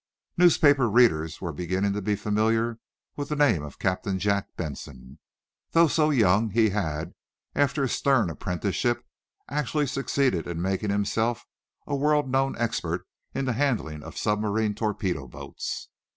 Newspaper readers were beginning to be familiar with the name of Captain Jack Benson. Though so young he had, after a stern apprenticeship, actually succeeded in making himself a world known expert in the handling of submarine torpedo boats.